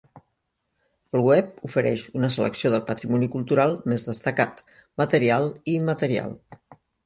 El web ofereix una selecció del patrimoni cultural més destacat, material i immaterial.